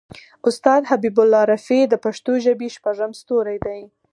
استاد حبیب الله رفیع د پښتو ژبې شپږم ستوری دی.